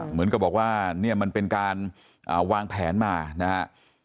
เหมือนกับบอกว่าเนี่ยมันเป็นการวางแผนมานะครับ